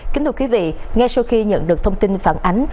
kính thưa quý vị ngay sau khi nhận được thông tin phản ánh